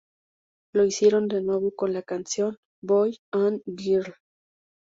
Lo hicieron de nuevo con la canción "Boy and Girl".